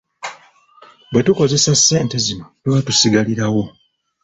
Bwe tukozesa ssente zino tuba tusigalirawo.